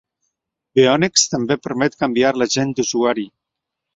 Beonex també permet canviar l'agent d'usuari.